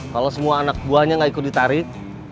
kalau semua anak buahnya nggak ikut ditarik